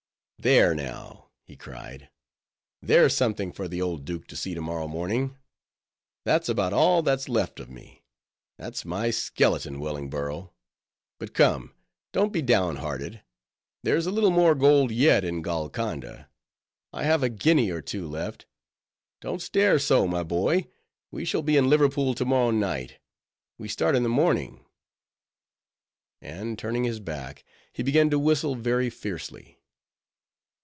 "There now," he cried, "there's something for the old duke to see to morrow morning; that's about all that's left of me— that's my skeleton, Wellingborough. But come, don't be downhearted; there's a little more gold yet in Golconda; I have a guinea or two left. Don't stare so, my boy; we shall be in Liverpool to morrow night; we start in the morning"—and turning his back, he began to whistle very fiercely.